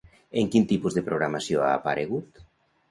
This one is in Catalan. En quin tipus de programació ha aparegut?